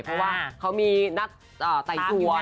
เพราะว่าเขามีนัดไต่สวน